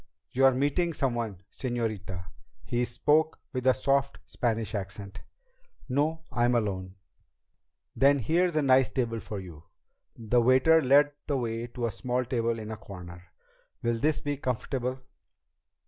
"You're meeting someone, señorita?" He spoke with a soft Spanish accent. "No. I'm alone." "Then here's a nice table for you." The waiter led the way to a small table in a corner. "Will this be comfortable?"